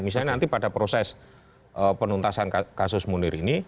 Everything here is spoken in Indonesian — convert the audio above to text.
misalnya nanti pada proses penuntasan kasus munir ini